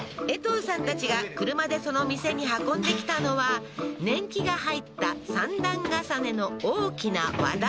えとうさんたちが車でその店に運んできたのは年季が入った三段重ねの大きな和